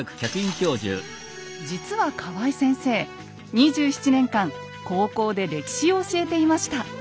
実は河合先生２７年間高校で歴史を教えていました。